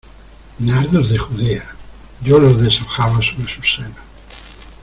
¡ nardos de Judea, yo los deshojaba sobre sus senos!